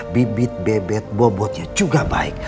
bibit bebek bobotnya juga baik